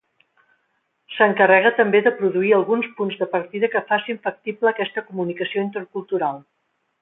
S'encarrega també de produir alguns punts de partida que facin factible aquesta comunicació intercultural.